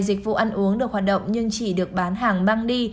dịch vụ ăn uống được hoạt động nhưng chỉ được bán hàng mang đi